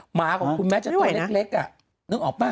หมาของคุณแม้จะตัวเล็กนึกออกป่ะ